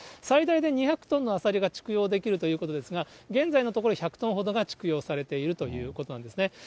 最大で２００トンのアサリが畜養できるということですが、現在のところ、１００トンほどが畜養されているということなんですね。